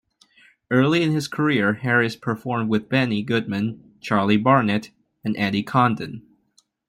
Early in his career, Harris performed with Benny Goodman, Charlie Barnet, and Eddie Condon.